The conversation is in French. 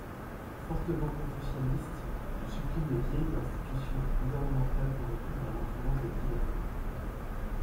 Fortement confucianiste, il supprime les vieilles institutions gouvernementales corrompues par l'influence des divers clans.